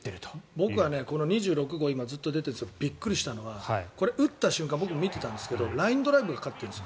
僕、２６号びっくりしたのは、打った瞬間僕も見ていたんですがラインドライブがかかっているんです。